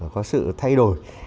có sự thay đổi